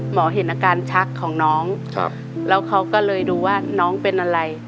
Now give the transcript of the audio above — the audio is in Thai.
เห็นอาการชักของน้องแล้วเขาก็เลยดูว่าน้องเป็นอะไร